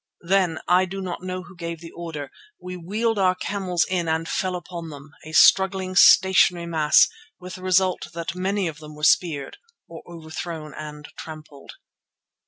Then, I do not know who gave the order, we wheeled our camels in and fell upon them, a struggling, stationary mass, with the result that many of them were speared, or overthrown and trampled.